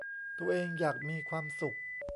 ตัวเองอยากมีความสุข